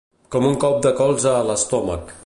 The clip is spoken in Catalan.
Com un cop de colze a l'estómac.